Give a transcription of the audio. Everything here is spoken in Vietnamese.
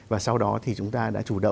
và sau đó thì chúng ta đã chủ động